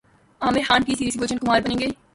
عامر خان ٹی سیریز کے گلشن کمار بنیں گے